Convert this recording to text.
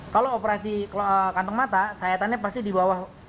kalau operasi kantong mata sayatannya pasti dibawah